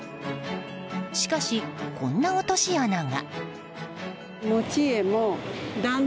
しかし、こんな落とし穴が。